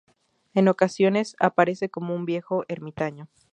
En ocasiones aparece como un viejo ermitaño.